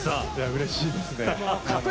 うれしいですね。